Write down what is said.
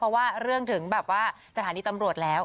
เพราะว่าเรื่องถึงแบบว่าสถานีตำรวจแล้ว